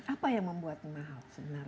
apa yang membuat mahal sebenarnya